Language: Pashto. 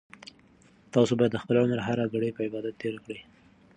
تاسو باید د خپل عمر هره ګړۍ په عبادت تېره کړئ.